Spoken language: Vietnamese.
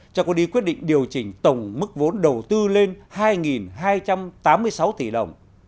chacoly quyết định điều chỉnh tổng mức vốn đầu tư lên hai hai trăm tám mươi sáu tỷ đồng